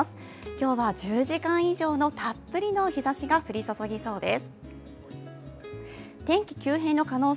今日は１０時間以上のたっぷりの日ざしが降り注ぎそうです。